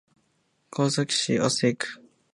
川崎市麻生区